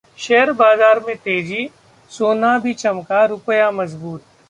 share बाजार में तेजी, सोना भी चमका, रुपया मजबूत